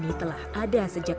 dibuat oleh gel s mma